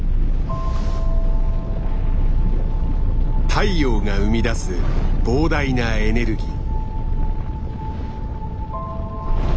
太陽が生み出す膨大なエネルギー。